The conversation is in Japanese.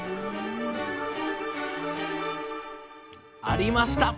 ありました！